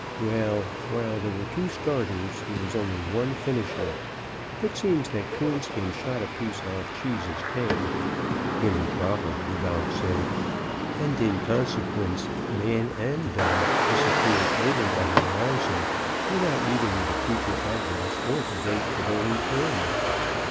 Well, while there were two starters, there was only one finisher. It seems that Coonskin shot a piece off Cheese's tail (improper, the donk said), and, in consequence, man and donk disappeared over the horizon, without leaving their future address or the date for their return.